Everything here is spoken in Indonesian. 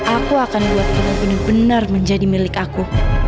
aku akan buat kamu benar benar menjadi milik aku